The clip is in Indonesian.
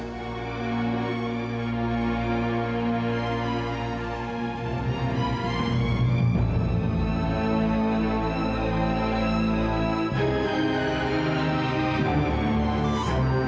terima kasih tante